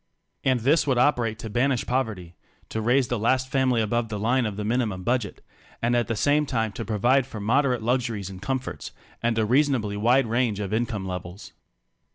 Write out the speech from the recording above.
And this would operate to banish poverty, to raise the last family 24 above the line of the minimum budget, and at the same time to provide for moderate kixuries and comforts, and a rea sonably wide range of income levels.